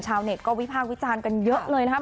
ชาวเน็ตก็วิพากษ์วิจารณ์กันเยอะเลยนะครับ